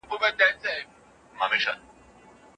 که پېر بدل سي سياسي مسايل به هم بدل سي.